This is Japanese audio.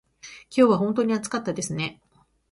今日は本当に暑かったですね。